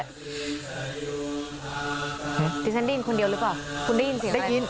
ดิฉันได้ยินคนเดียวหรือเปล่าคุณได้ยินเสียงได้ยิน